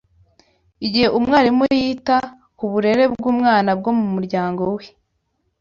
Igihe umwarimu yita ku burere bw’umwana bwo mu muryango we,